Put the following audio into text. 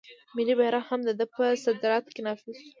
ملي بیرغ هم د ده په صدارت کې نافذ شو.